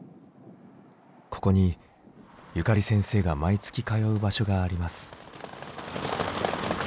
ここにゆかり先生が毎月通う場所があります。